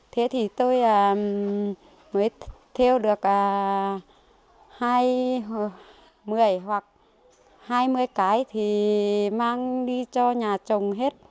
thế thì tôi mới theo được một mươi hoặc hai mươi cái thì mang đi cho nhà chồng hết